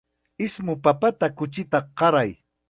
Ismu papata kuchita qaray.